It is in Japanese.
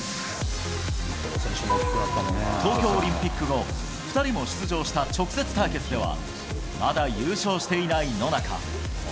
東京オリンピック後、２人も出場した直接対決では、まだ優勝していない野中。